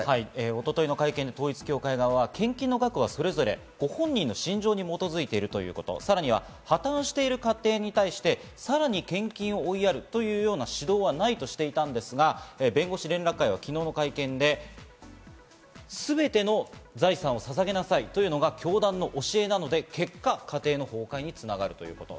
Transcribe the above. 一昨日の会見で統一教会側は献金の額はそれぞれご本人の信条に基づいているということ、さらに破たんしている家庭に対して、さらに献金を追いやるというような指導はないとしていたんですが、弁護士連絡会は昨日の会見で、すべての財産を捧げなさいというのが教団の教えなので結果、家庭の崩壊に繋がるということ。